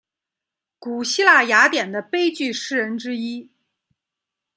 古希腊雅典的悲剧诗人之一。